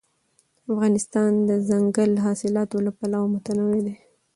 افغانستان د دځنګل حاصلات له پلوه متنوع دی.